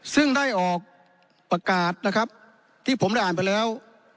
ซึ่งได้ออกประกาศที่ได้อ่านไปแล้ว